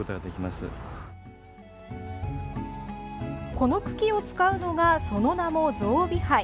この茎を使うのがその名も象鼻杯。